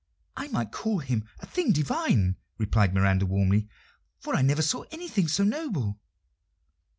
"I might call him a thing divine," replied Miranda warmly, "for I never saw anything so noble."